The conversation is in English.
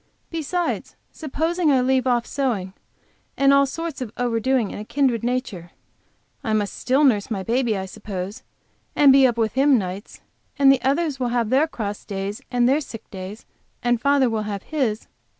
Besides, supposing I leave off sewing and all sorts of over doing of a kindred nature, I must nurse baby, I suppose, and be up with him nights and others will have their cross days and their sick and father will have his.